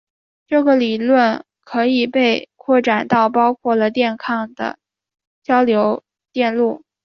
这个理论可以被扩展到包括了电抗的交流电路。